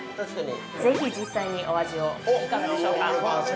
◆ぜひ実際にお味を、いかがでしょうか。